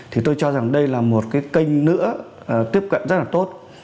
thì tôi cho rằng đây là một cái kênh nữa tiếp cận rất là tốt